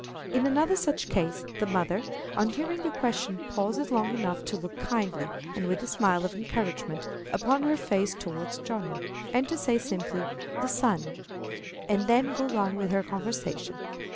In another such case, the mother, on hearing the question, pauses long enough to look kindly and with a smile of encouragement upon her face towards Johnny, and to say simply, "The sun," and then goes on with her conversation.